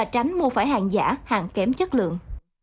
tránh mua phải hàng giả hàng kém chất lượng